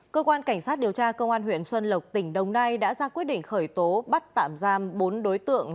cơ quan cảnh sát điều tra công an huyện xuân lộc tỉnh đồng nai đã ra quyết định khởi tố bắt tạm giam bốn đối tượng